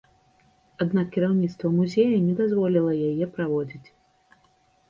Аднак кіраўніцтва музея не дазволіла яе праводзіць.